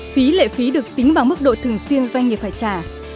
phí lệ phí được tính bằng mức độ thường xuyên doanh nghiệp phải trả